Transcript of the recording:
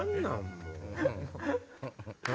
もう。